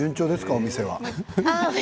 お店は。